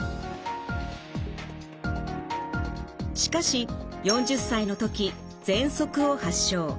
しかし４０歳の時ぜんそくを発症。